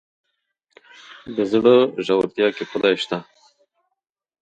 د زړه ژورتيا کې خدای شته.